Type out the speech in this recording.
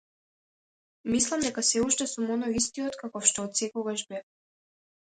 Мислам дека сѐ уште сум оној истиот каков што отсекогаш бев.